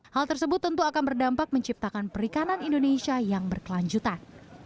hal tersebut tentu akan berdampak menciptakan perikanan indonesia yang berkelanjutan